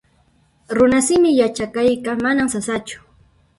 Runasimi yachaqayqa manan sasachu